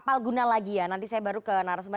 palguna lagi ya nanti saya baru ke narasumber